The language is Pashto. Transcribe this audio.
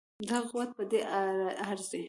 دغه قوت په دې ارزي.